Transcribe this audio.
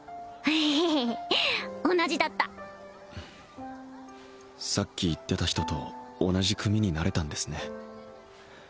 ヘヘヘ同じだったさっき言ってた人と同じ組になれたんですね